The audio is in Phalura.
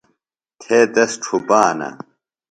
تھے تس ڇُھپانہ.